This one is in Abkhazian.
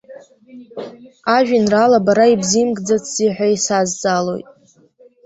Ажәеинраала бара ибзимкӡацзи ҳәа исазҵаалоит.